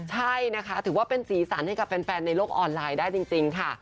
ใช่นะคะถือว่าเป็นสีสันให้กับแฟนในโลกออนไลน์ได้จริงค่ะ